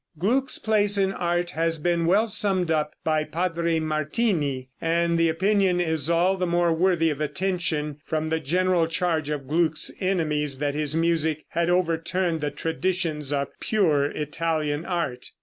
Gluck's place in art has been well summed up by Padre Martini, and the opinion is all the more worthy of attention from the general charge of Gluck's enemies that his music had overturned the traditions of pure Italian art.